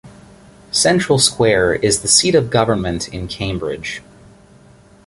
Central Square is the seat of government in Cambridge.